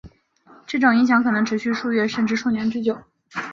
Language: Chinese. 这种影响可能持续数月甚至数年之久。